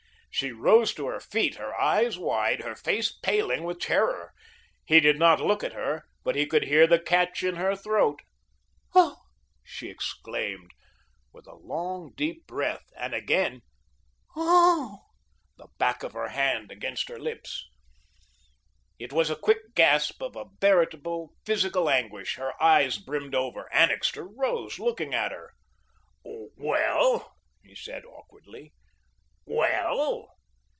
She rose to her feet, her eyes wide, her face paling with terror. He did not look at her, but he could hear the catch in her throat. "Oh!" she exclaimed, with a long, deep breath, and again "Oh!" the back of her hand against her lips. It was a quick gasp of a veritable physical anguish. Her eyes brimmed over. Annixter rose, looking at her. "Well?" he said, awkwardly, "Well?"